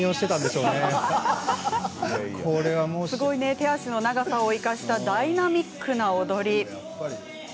手足の長さを生かしたダイナミックな踊り。